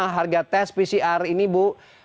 harga tes pcr ini bu